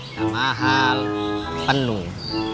nggak mahal penuh